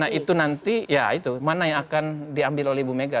nah itu nanti ya itu mana yang akan diambil oleh ibu mega